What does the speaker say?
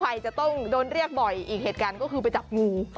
ใครจะต้องโดนเรียกบ่อยอีกเหตุการณ์ก็คือไปจับงู